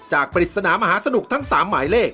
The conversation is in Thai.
ปริศนามหาสนุกทั้ง๓หมายเลข